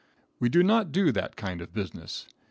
We do not do that kind of business.